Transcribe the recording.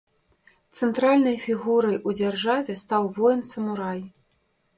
Цэнтральнай фігурай ў дзяржаве стаў воін-самурай.